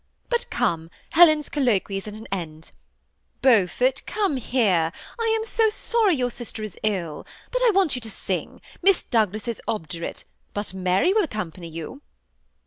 But come, Helen's colloquy is at an end. Beaufort, come here ; I am so sorry your sister is ill, but I want you to sing. Miss Douglas is obdurate, but Mary will accompany you."